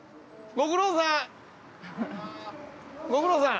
ご苦労さん！